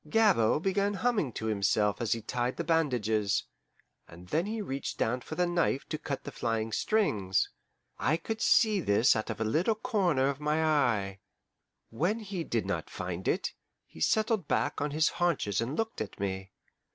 Gabord began humming to himself as he tied the bandages, and then he reached down for the knife to cut the flying strings. I could see this out of a little corner of my eye. When he did not find it, he settled back on his haunches and looked at me.